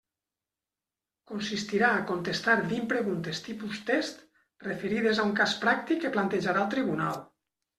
Consistirà a contestar vint preguntes tipus test, referides a un cas pràctic que plantejarà el Tribunal.